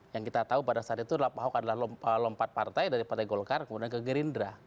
yang kita tahu pada saat itu adalah pak ahok adalah lompat partai dari partai golkar kemudian ke gerindra